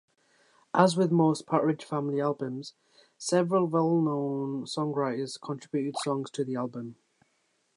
As with most Partridge Family albums, several well-known songwriters contributed songs to the album.